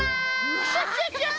クシャシャシャ！